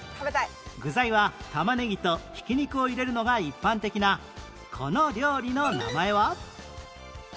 具材はタマネギとひき肉を入れるのが一般的なこの料理の名前は？